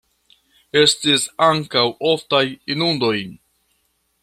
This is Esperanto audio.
Estis ankaŭ oftaj inundoj.